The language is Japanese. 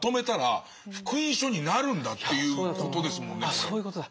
あそういうことだ！